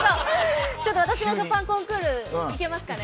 私もショパンコンクールいけますかね。